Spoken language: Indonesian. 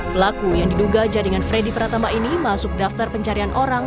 pelaku yang diduga jaringan freddy pratama ini masuk daftar pencarian orang